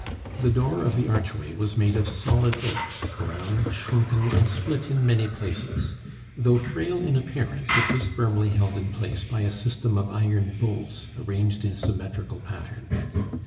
The door of the archway was made of solid oak, brown, shrunken, and split in many places; though frail in appearance, it was firmly held in place by a system of iron bolts arranged in symmetrical patterns.